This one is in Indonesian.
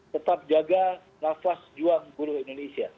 tetap jaga nafas juang buruh indonesia